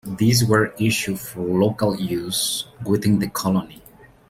These were issued for local use within the colony.